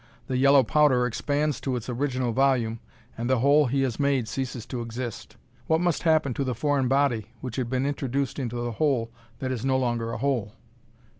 The yellow powder expands to its original volume and the hole he has made ceases to exist. What must happen to the foreign body which had been introduced into the hole that is no longer a hole?"